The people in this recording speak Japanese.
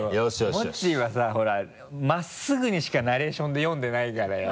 もっちーはさほら真っすぐにしかナレーションで読んでないからよ。